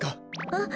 あっ。